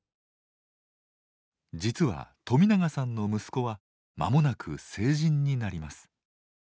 実は冨永さんの息子は間もなく成人になります。